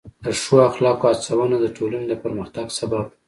د ښو اخلاقو هڅونه د ټولنې د پرمختګ سبب ده.